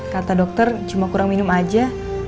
kata dokter cuma kurang minum aja